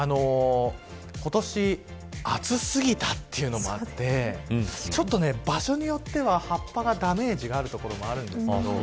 今年、暑過ぎたというのもあって場所によっては葉っぱがダメージがある所もあるんです。